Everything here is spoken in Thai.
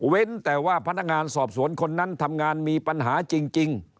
แต่ว่าพนักงานสอบสวนคนนั้นทำงานมีปัญหาจริง